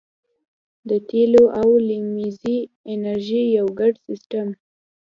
د تیلو او لمریزې انرژۍ یو ګډ سیستم